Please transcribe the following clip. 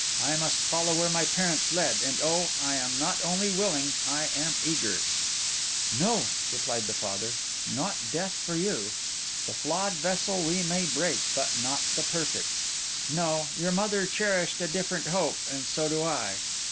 I must follow where my parents led; and oh! I am not only willing, I am eager!' 'No,' replied the doctor, 'not death for you. The flawed vessel we may break, but not the perfect. No, your mother cherished a different hope, and so do I.